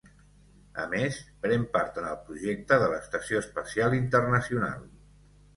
A més, pren part en el projecte de l'Estació Espacial Internacional.